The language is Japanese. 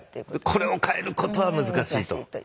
これを変えることは難しいと。